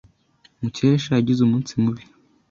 Mukesha yagize umunsi mubi.